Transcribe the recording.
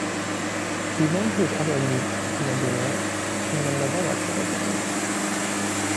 He won his other Nebula in the novella category.